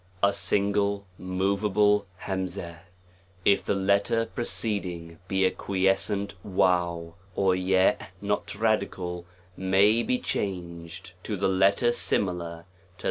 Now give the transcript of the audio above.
A SINGLE moveable ', if the letter preceding be a quiescent ^ or ^ not radical, may be changed to the letter similar to